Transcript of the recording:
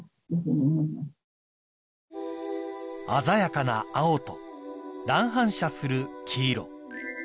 ［鮮やかな青と乱反射する黄色］